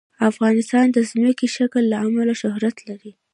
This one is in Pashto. افغانستان د ځمکنی شکل له امله شهرت لري.